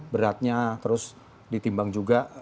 beratnya terus ditimbang juga